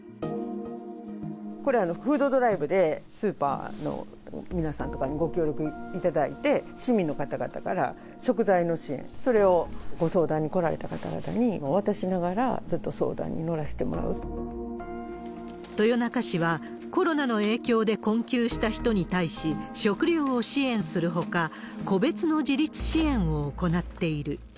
これはフードドライブで、スーパーの皆さんとかにご協力いただいて、市民の方々から食材の支援、それをご相談に来られた方々に渡しながら、ずっと相談に乗らして豊中市は、コロナの影響で困窮した人に対し、食料を支援するほか、個別の自立支援を行っている。